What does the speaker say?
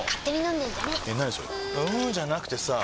んーじゃなくてさぁ